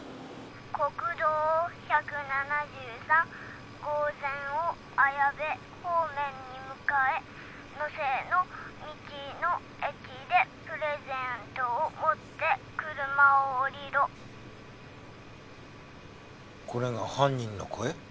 「国道１７３号線を綾部方面に向かえ」「能勢の道の駅でプレゼントを持って車を降りろ」これが犯人の声？